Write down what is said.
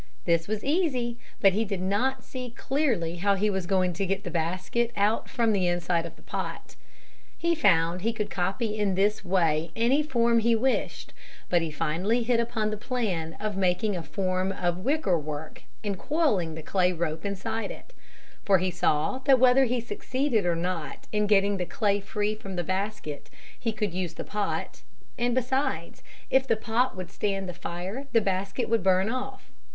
This was easy, but he did not see clearly how he was going to get the basket out from the inside of the pot. He found he could copy in this way any form he wished, but he finally hit upon the plan of making a form of wicker work and coiling the clay rope inside it, for he saw that whether he succeeded or not in getting the clay free from the basket he could use the pot, and besides if the pot would stand the fire the basket would burn off.